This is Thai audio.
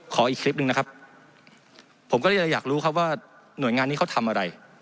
อีกคลิปหนึ่งนะครับผมก็เลยอยากรู้ครับว่าหน่วยงานนี้เขาทำอะไร